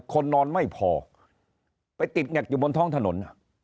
คนนอนไม่พอไปติดแงกอยู่บนท้องถนน